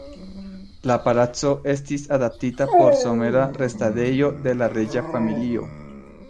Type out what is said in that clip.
La palaco estis adaptita por somera restadejo de la reĝa familio.